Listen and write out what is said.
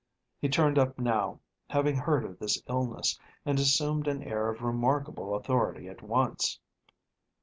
He turned up now, having heard of this illness, and assumed an air of remarkable authority at once.